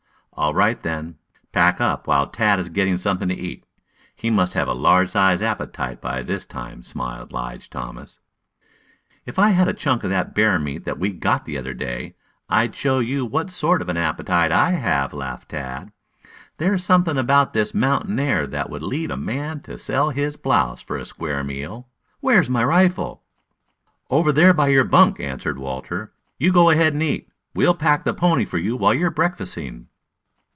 "All right, then. Pack up while Tad is getting something to eat. He must have a large sized appetite by this time," smiled Lige Thomas. "If I had a chunk of that bear meat that we got the other day, I'd show you what sort of an appetite I have," laughed Tad. "There's something about this mountain air that would lead a man to sell his blouse for a square meal. Where's my rifle?" "Over there by your bunk," answered Walter. "You go ahead and eat. We'll pack the pony for you while you are breakfasting."